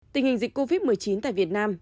tình hình dịch covid một mươi chín tại việt nam